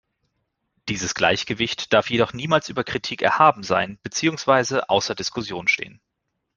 Dieses Gleichgewicht darf jedoch niemals über Kritik erhaben sein beziehungsweise außer Diskussion stehen.